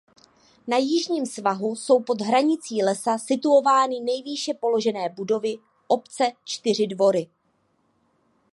Na jižním svahu jsou pod hranicí lesa situovány nejvýše položené budovy obce Čtyři Dvory.